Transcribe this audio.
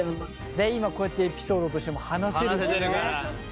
今こうやってエピソードとしても話せるしね。